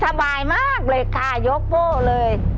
กล่อข้าวหลามใส่กระบอกจำนวน๑๒กระบอกภายในเวลา๓นาที